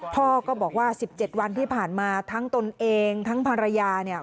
พ่อก็บอกว่า๑๗วันที่ผ่านมาทั้งตนเองทั้งภรรยาเนี่ย